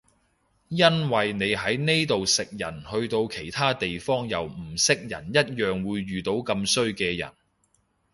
因為你喺呢度食人去到其他地方又唔識人一樣會遇到咁衰嘅人